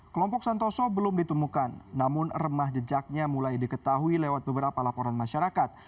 kelompok santoso belum ditemukan namun remah jejaknya mulai diketahui lewat beberapa laporan masyarakat